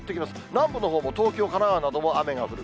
南部のほうも東京、神奈川なども雨が降る。